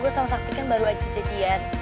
gue sama sakti kan baru aja jadian